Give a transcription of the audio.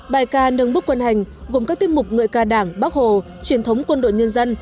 bài ca nâng bức quân hành gồm các tiết mục ngợi ca đảng bác hồ truyền thống quân đội nhân dân